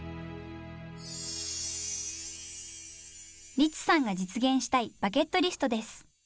リツさんが実現したいバケットリストです。